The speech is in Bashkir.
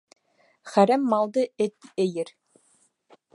Хәрәм малды эт ейер.